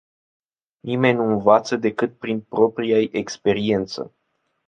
Nimeni nu învață decât prin propria-i experiență.